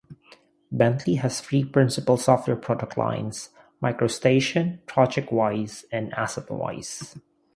Bentley has three principal software product lines: MicroStation, ProjectWise, and AssetWise.